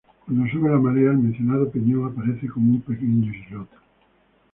Cuando sube la marea el mencionado peñón aparece como un pequeño islote.